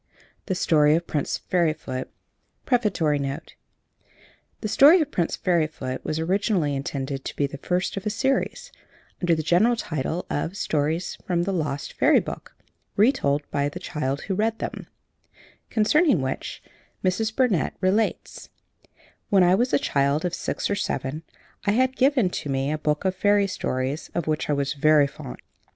THE STORY OF PRINCE FAIRYFOOT PREFATORY NOTE "THE STORY OF PRINCE FAIRYFOOT" was originally intended to be the first of a series, under the general title of "Stories from the Lost Fairy Book, Re told by the Child Who Read Them," concerning which Mrs. Burnett relates: "When I was a child of six or seven, I had given to me a book of fairy stories, of which I was very fond.